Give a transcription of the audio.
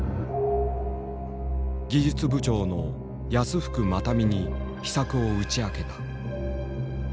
技術部長の安福眞民に秘策を打ち明けた。